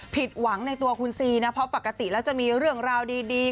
ผิดหวังในตัวคุณซีนะเพราะปกติแล้วจะมีเรื่องราวดี